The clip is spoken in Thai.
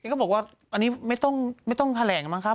แกก็บอกว่าอันนี้ไม่ต้องไม่ต้องแถลงมั้งครับ